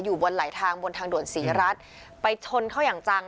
บนไหลทางบนทางด่วนศรีรัฐไปชนเขาอย่างจัง